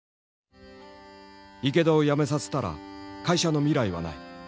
「池田を辞めさせたら会社の未来はない。